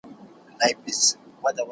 هغه کتاب چې په پښتو لیکل سوی وي ګټور دی.